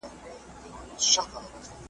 استادان مي زندانونو ته لېږلي .